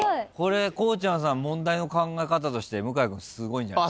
こうちゃんさん問題の考え方として向井君すごいんじゃない？